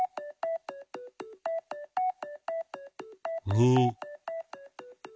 ２。